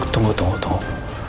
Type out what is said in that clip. tunggu tunggu tunggu